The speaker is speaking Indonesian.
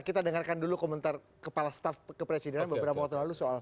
kita dengarkan dulu komentar kepala staf kepresidenan beberapa waktu lalu soal